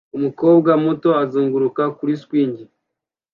umukobwa muto azunguruka kuri swing